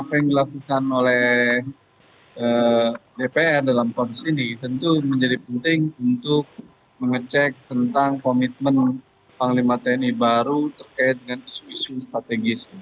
apa yang dilakukan oleh dpr dalam proses ini tentu menjadi penting untuk mengecek tentang komitmen panglima tni baru terkait dengan isu isu strategis